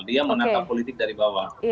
dia menatap politik dari bawah